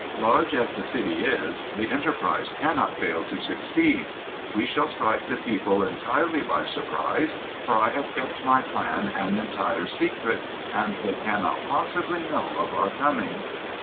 Large as the city is, the enterprise cannot fail to succeed. We shall strike the people entirely by surprise; for I have kept my plan an entire secret, and they cannot possibly know of our coming."